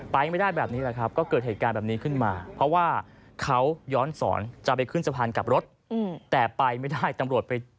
ไปยังไม่ได้แบบนี้ก็เกิดเหตุการณ์แบบนี้ขึ้นมา